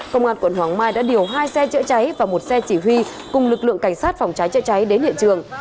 công an quận hoàng mai đã điều hai xe chữa cháy và một xe chỉ huy cùng lực lượng cảnh sát phòng cháy chữa cháy đến hiện trường